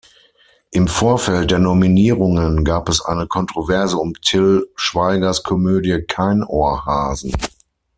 Im Vorfeld der Nominierungen gab es eine Kontroverse um Til Schweigers Komödie "Keinohrhasen".